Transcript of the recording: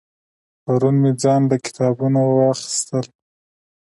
پرون مې ځان له کتابونه واغستل